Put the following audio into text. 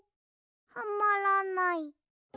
はまらない。